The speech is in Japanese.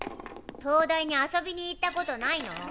灯台に遊びに行ったことないの？